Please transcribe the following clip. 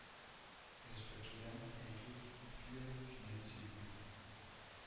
Es verkehren täglich vier Schnellzüge.